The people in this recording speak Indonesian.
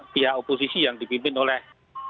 pihak oposisi yang dipimpin oleh